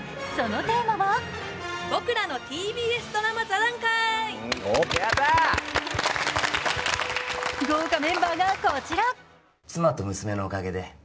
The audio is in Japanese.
そのテーマは豪華メンバーがこちら。